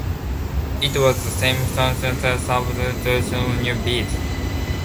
It was the same song title, same hook, same rhymes, just new beats.